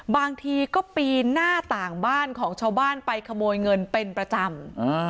บางทีก็ปีนหน้าต่างบ้านของชาวบ้านไปขโมยเงินเป็นประจำ